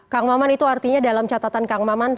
kang maman itu artinya dalam catatan kang maman